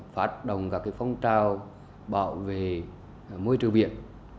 phát động các phong trào bảo vệ môi trường biển